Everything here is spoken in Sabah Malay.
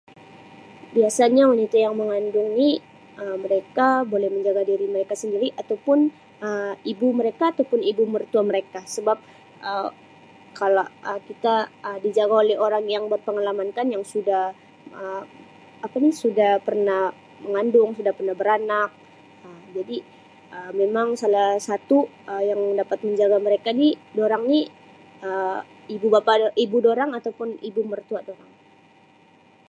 Biasanya wanita yang mengandung ni Um mereka boleh menjaga diri mereka sendiri atau pun Um ibu mereka atau pun ibu mertua mereka sebab Um kalau Um kita dijaga[Um] oleh orang yang berpengalaman kan yang sudah Um apa ni Um sudah pernah mengandung sudah pernah beranak Um jadi Um memang salah satu Um yang dapat menjaga meraka ni dorang ni Um ibu bapa ibu dorang atau ibu mertua dorang.